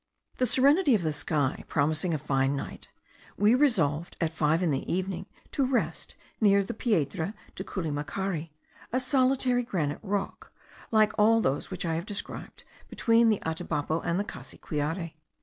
The serenity of the sky promising us a fine night, we resolved, at five in the evening, to rest near the Piedra de Culimacari, a solitary granite rock, like all those which I have described between the Atabapo and the Cassiquiare.